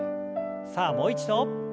さあもう一度。